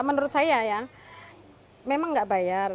menurut saya ya memang nggak bayar